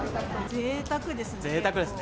ぜいたくですね。